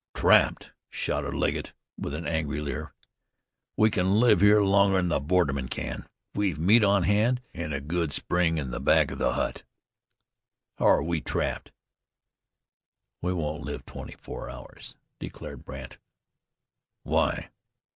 "Trapped," shouted Legget with an angry leer. "We kin live here longer'n the bordermen kin. We've meat on hand, an' a good spring in the back of the hut. How'er we trapped?" "We won't live twenty four hours," declared Brandt. "Why?"